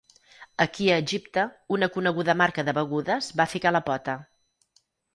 Aquí a Egipte una coneguda marca de begudes va ficar la pota.